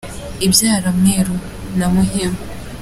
Ibyara mweru na muhima.